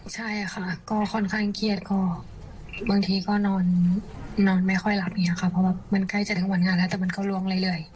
ใช่ค่ะก็ค่อนข้างเครียดก็บางทีก็นอนไม่ค่อยหลับอย่างนี้ค่ะเพราะว่ามันใกล้จะถึงวันงานแล้วแต่มันก็ล้วงเรื่อย